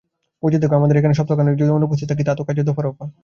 বুঝে দেখ! আর এখানে সপ্তাহখানেকের জন্য যদি অনুপস্থিত থাকি তো কাজের দফা রফা।